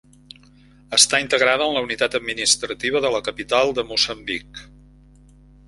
Està integrada en la unitat administrativa de la capital de Moçambic.